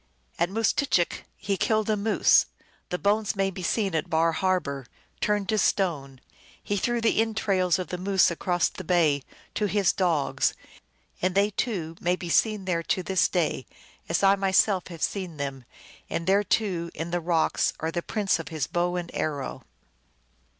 At Moose tchick he killed a moose ; the bones may be seen at Bar Har bor turned to stone. He threw the entrails of the Moose across the bay to his dogs, and they, too, may be seen there to this day, as I myself have seen them ; and there, too, in the rock are the prints of his bow and arrow."